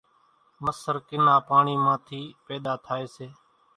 مسر ڪِنا پاڻِي مان ٿِي پيۮا ٿائيَ سي۔